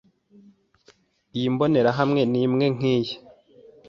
Iyi mbonerahamwe ni imwe nkiyi.